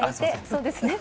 そうですね。